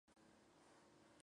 Las armas comienzan como ítems.